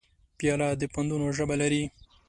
پیاله د پندونو ژبه لري.